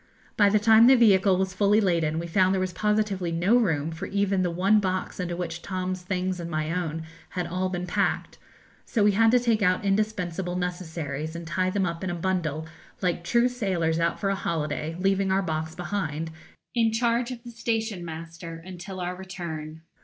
By the time the vehicle was fully laden, we found there was positively no room for even the one box into which Tom's things and my own had all been packed; so we had to take out indispensable necessaries, and tie them up in a bundle like true sailors out for a holiday, leaving our box behind, in charge of the station master, until our return.